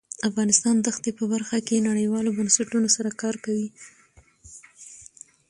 افغانستان د ښتې په برخه کې نړیوالو بنسټونو سره کار کوي.